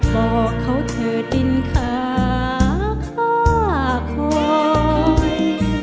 บอกเขาเธอดินค่าค่าคอย